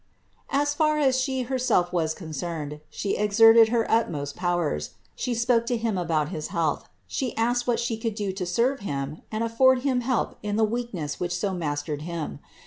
As far as She herself was concerned, She exerted her utmost powers; She spoke to him about his health, She asked what She could do to serve him and afford him help in the weakness which so mastered him.